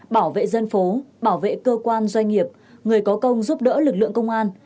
bảo vệ dân phố bảo vệ cơ quan doanh nghiệp người có công giúp đỡ lực lượng công an